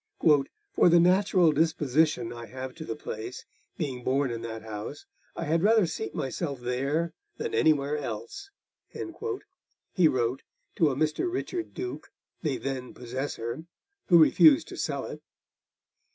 'For the natural disposition I have to the place, being born in that house, I had rather seat myself there than anywhere else,' he wrote to a Mr. Richard Duke, the then possessor, who refused to sell it.